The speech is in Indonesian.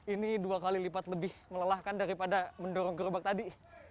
ini dua kali lipat lebih melelahkan daripada mendorong gerobak tadi